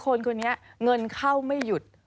คนคนนี้เงินเข้าไม่หยุด